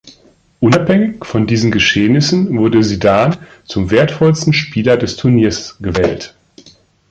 Unabhängig von diesen Geschehnissen wurde Zidane zum wertvollsten Spieler des Turniers gewählt.